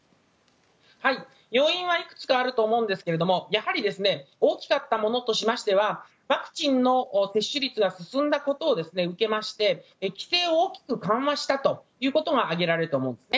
要因はいくつかあると思うんですがやはり大きかったものとしましてはワクチンの接種率が進んだことを受けまして規制を大きく緩和したということが挙げられると思うんですね。